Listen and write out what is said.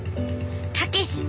武志。